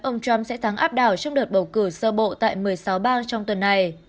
ông trump sẽ thắng áp đảo trong đợt bầu cử sơ bộ tại một mươi sáu bang trong tuần này